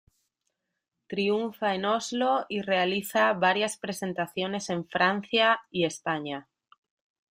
Triunfa en Oslo, y realiza varias presentaciones en Francia y España.